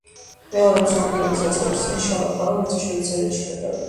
მეორე მსოფლიო ომის დაწყების წინ შალვა ქარუმიძე შვეიცარიაში გადავიდა.